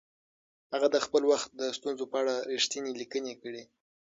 هغه د خپل وخت د ستونزو په اړه رښتیني لیکنې کړي.